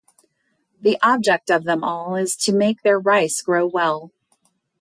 The object of them all is to make their rice grow well.